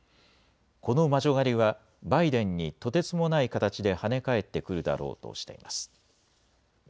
この魔女狩りはバイデンにとてつもない形で跳ね返ってくるだろうとしています。